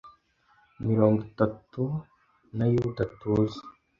Mirongo itatu na Yuda tuzi